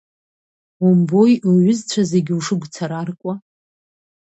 Умбои уҩызцәа зегь ушыгәцараркуа?